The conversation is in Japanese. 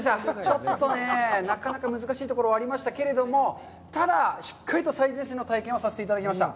ちょっとね、なかなか難しいところはありましたけれども、ただ、しっかりと最前線の体験はさせていただきました。